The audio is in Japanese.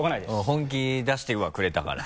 本気出してはくれたから。